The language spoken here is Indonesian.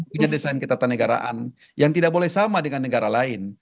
punya desain ketatanegaraan yang tidak boleh sama dengan negara lain